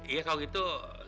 iya kalau gitu